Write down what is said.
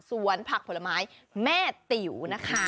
ผักผลไม้แม่ติ๋วนะคะ